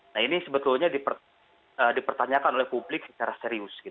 nah ini sebetulnya dipertanyakan oleh publik secara serius